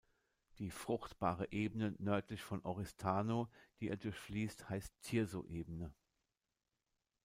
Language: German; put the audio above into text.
Die fruchtbare Ebene nördlich von Oristano, die er durchfließt, heißt Tirso-Ebene.